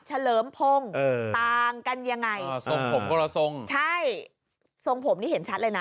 เลิมพงศ์ต่างกันยังไงอ่าทรงผมคนละทรงใช่ทรงผมนี่เห็นชัดเลยนะ